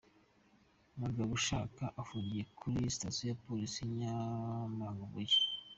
Mugabushaka afungiye kuri sitasiyo ya Polisi i Nyamabuye.